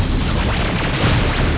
supri ke badang